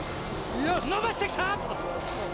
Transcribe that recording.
伸ばしてきた！